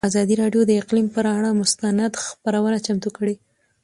ازادي راډیو د اقلیم پر اړه مستند خپرونه چمتو کړې.